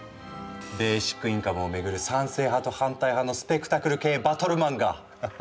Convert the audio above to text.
ベーシックインカムをめぐる賛成派と反対派のスペクタクル系バトル漫画！